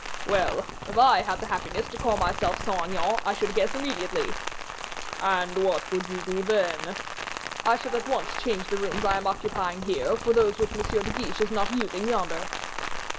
"Well! if I had the happiness to call myself Saint Aignan, I should guess immediately." "And what would you do then?" "I should at once change the rooms I am occupying here, for those which M. de Guiche is not using yonder."